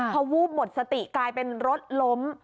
พอวูบหมดสติกลายเป็นรถล้ม